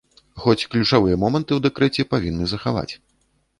Хоць ключавыя моманты ў дэкрэце павінны захаваць.